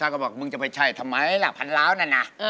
ฝ่ายกับบอกมึงจะไปใช้ทำไมล่ะพลาวนั่นน่ะ